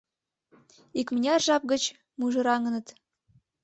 Икмыняр жап гыч мужыраҥыныт.